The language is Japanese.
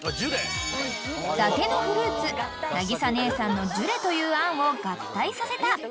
［伊達のフルーツなぎさ姉さんのジュレという案を合体させた清涼感漂う一品］